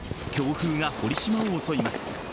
強風が堀島を襲います。